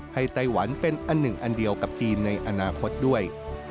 ไต้หวันเป็นอันหนึ่งอันเดียวกับจีนในอนาคตด้วย